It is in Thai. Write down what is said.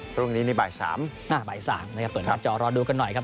พรุ่งนี้นี่บ่าย๓บ่าย๓นะครับเปิดหน้าจอรอดูกันหน่อยครับ